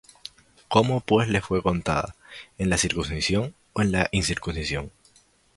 ¿Cómo pues le fué contada? ¿en la circuncisión, ó en la incircuncisión?